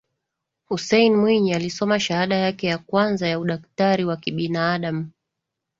Hussein Mwinyi alisoma shahada yake ya kwanza ya udaktari wa kibinaadamu